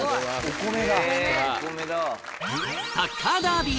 お米だ。